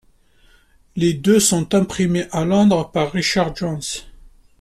Les deux sont imprimés à Londres par Richard Jones.